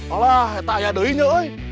oh itu saya juga